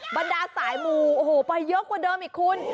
บรรดาสายหมู่โอ้โหไปเยอะกว่าเดิมอีกคุณ